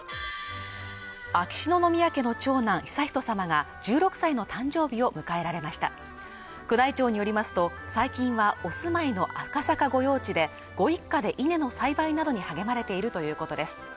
秋篠宮家の長男・悠仁さまが１６歳の誕生日を迎えられました宮内庁によりますと最近はお住まいの赤坂御用地でご一家で稲の栽培などに励まれているということです